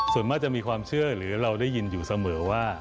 ส่วนมากจะมีความเชื่อหรือเราได้ยินอยู่เสมอว่า